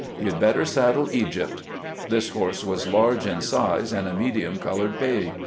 You had better saddle 'Egypt.'" This horse was large in size and a medium colored bay.